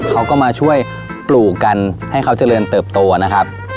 เขาก็มาช่วยปลูกกันให้เขาเจริญเติบโตนะครับ